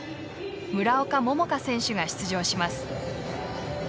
村岡桃佳選手が出場します。